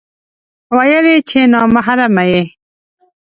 ويل يې چې نا محرمه يې